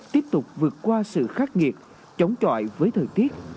tiếp tục vượt qua sự khắc nghiệt chống chọi với thời tiết